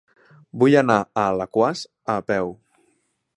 Vull anar a Alaquàs a peu.